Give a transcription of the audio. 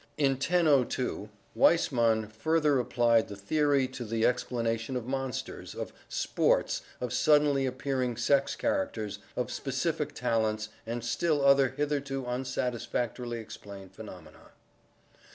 In 1002, Weismann further applied the theory to the explanation of monsters, of "sports/' of suddenly appearing sex characters, of specific talents, and Still other hitherto unsatisfactorily explained phenomena.